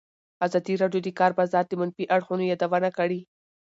ازادي راډیو د د کار بازار د منفي اړخونو یادونه کړې.